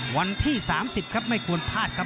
วันที่๓๐ครับไม่ควรพลาดครับ